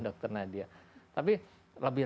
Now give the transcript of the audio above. dr nadia tapi lebih